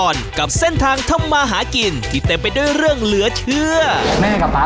ระหว่างกินแหน่มเนืองกินผัก